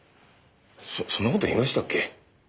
そそんな事言いましたっけ？